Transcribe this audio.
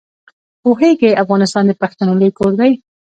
پوهېږې افغانستان د پښتنو لوی کور دی.